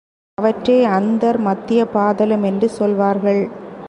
அவற்றை அந்தர் மத்திய பாதலம் என்று சொல்வார்கள்.